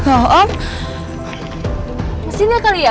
oh om mesinnya kali ya